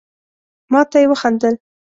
ما ته يي وخندل.